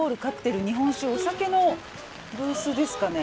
日本酒お酒のブースですかね。